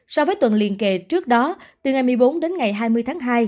so với tuần liên kề trước đó từ ngày một mươi bốn đến ngày hai mươi tháng hai